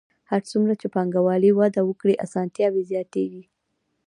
هر څومره چې پانګوالي وده وکړي اسانتیاوې زیاتېږي